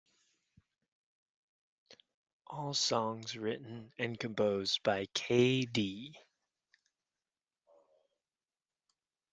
All songs written and composed by k.d.